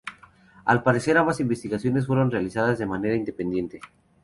Al parecer ambas investigaciones fueron realizadas de manera independiente.